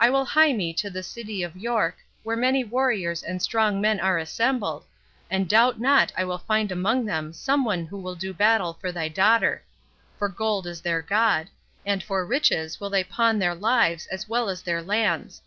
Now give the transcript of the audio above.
I will hie me to the city of York, where many warriors and strong men are assembled, and doubt not I will find among them some one who will do battle for thy daughter; for gold is their god, and for riches will they pawn their lives as well as their lands.